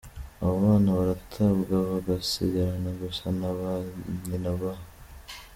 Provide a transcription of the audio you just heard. Abo bana baratabwa, bagasigarana gusa na ba nyina b.